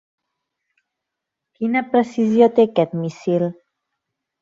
Quina precisió té aquest míssil?